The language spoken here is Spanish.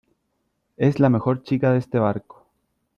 es la mejor chica de este barco ,